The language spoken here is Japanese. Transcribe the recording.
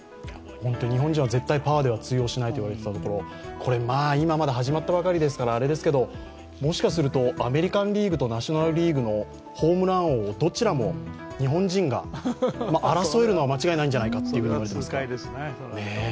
日本人は絶対パワーでは通用しないと言われていたところ、これ、今まだ始まったばかりですからもしかするとアメリカン・リーグとナショナル・リーグをホームラン王、どちらも日本人が争えるのは間違いないんじゃないかと言われていますね。